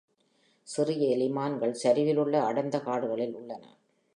சிறிய எலி மான்கள் சரிவுகளிலுள்ள அடர்ந்த காடுகளில் உள்ளன.